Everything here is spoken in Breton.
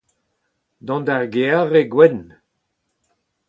dont d'ar gêr e gwenn